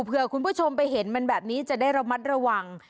เพื่อคุณผู้ชมไปเห็นมันแบบนี้จะได้ระมัดระวัง